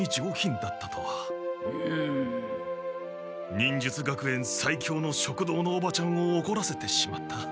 忍術学園最強の食堂のおばちゃんをおこらせてしまった。